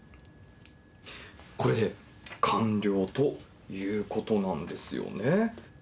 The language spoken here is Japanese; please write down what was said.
これで完了ということなんですよね。